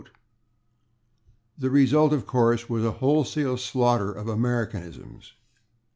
The result, of course, was a wholesale slaughter of Americanisms.